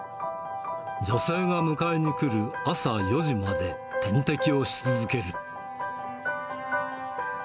女性が迎えにくる朝４時まで、点滴をし続ける。